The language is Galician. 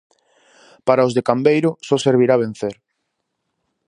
Para os de Cambeiro só servirá vencer.